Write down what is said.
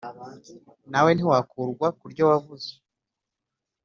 na we ntiwakurwa ku ryo wavuze,